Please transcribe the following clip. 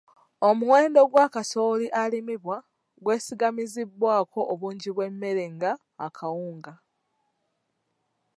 Omuwendo gwa kasooli alimibwa gwesigamizibwako obungi bw'emmere nga akawunga.